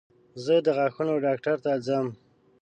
زه د غاښونو ډاکټر ته ځم.